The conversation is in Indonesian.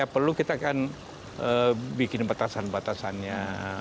perlu kita akan bikin batasan batasannya